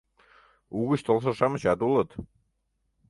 Угыч толшо-шамычат улыт.